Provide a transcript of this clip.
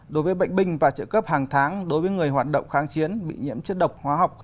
đối với bệnh binh và chế độc hóa học hàng tháng đối với người hoạt động kháng chiến bị nhiễm chất độc hóa học